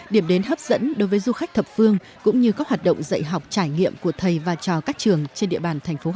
điểm đến hấp dẫn đối với du khách thập phương cũng như các hoạt động dạy học trải nghiệm của thầy và trò các trường trên địa bàn thành phố